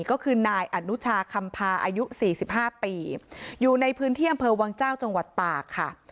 ก็คือนายอนุชาคำพาอายุสี่สิบห้าปีอยู่ในพื้นเที่ยมเผลอวังเจ้าจังหวัดตาค่ะ